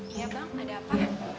iya bang ada apa